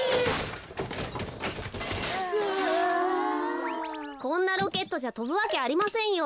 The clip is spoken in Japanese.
こんなロケットじゃとぶわけありませんよ。